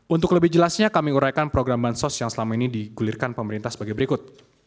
untuk lebih jelasnya kami uraikan program bansos yang selama ini digulirkan pemerintah sebagai berikut